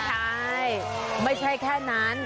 ใช่ไม่ใช่แค่นั้น